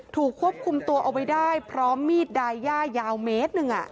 ถูกควบคุมตัวเอาไว้ได้พร้อมมีดดายย่ายาวเมตรหนึ่ง